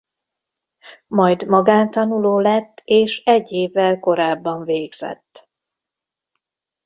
Majd magántanuló lett és egy évvel korábban végzett.